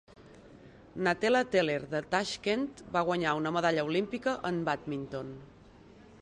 Natella Teller de Tashkent va guanyar una medalla olímpica en bàdminton.